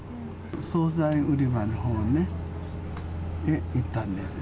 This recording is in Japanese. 総菜売り場のほうね、行ったんですよ。